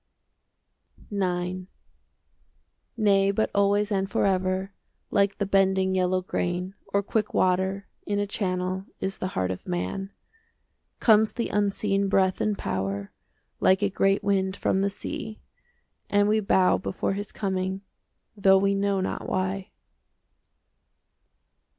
IX Nay, but always and forever Like the bending yellow grain, Or quick water in a channel, Is the heart of man. Comes the unseen breath in power 5 Like a great wind from the sea, And we bow before his coming, Though we know not why.